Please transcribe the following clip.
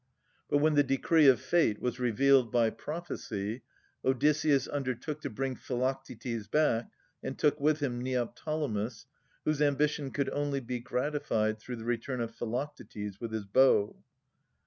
But when the decree of fate was revealed by prophecy, Odysseus undertook to bring Philoctetes back, and took with him Neoptolemus, whose ambition could only be gratified through the return of Philoctetes with his bow.